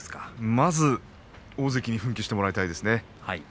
まずは大関に奮起してもらいたいですね。